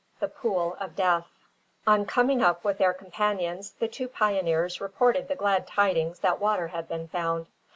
THE POOL OF DEATH. On coming up with their companions the two pioneers reported the glad tidings that water had been found.